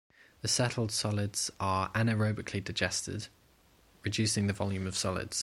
The settled solids are anaerobically digested, reducing the volume of solids.